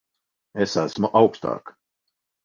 Es esmu augstāk.